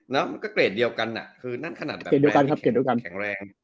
แล้วมันคือเกรดเดียวกันคิอการแบบแข็งแรง